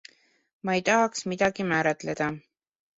Ma ei tahaks midagi määratleda.